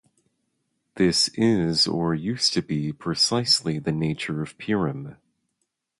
This is, or used to be, precisely the nature of Purim.